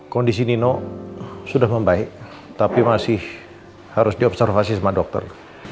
kondisi nino sudah membaik tapi masih harus diobservasi sama dokter